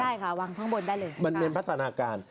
ได้ค่ะวางเพิ่งบนได้เลยนี่ค่ะมันเป็นพัฒนาการ